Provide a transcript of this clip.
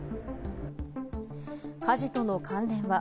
家事との関連は？